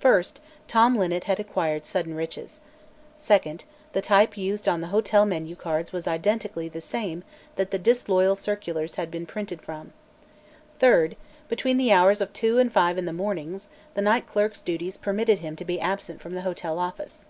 First, Tom Linnet had acquired sudden riches. Second, the type used on the hotel menu cards was identically the same that the disloyal circulars had been printed from. Third, between the hours of two and five in the mornings, the night clerk's duties permitted him to be absent from the hotel office.